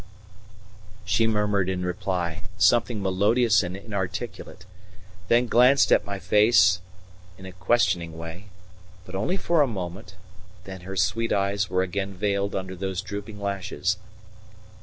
She murmured in reply something melodious and inarticulate, then glanced at my face in a questioning way; but only for a moment, then her sweet eyes were again veiled under those drooping lashes.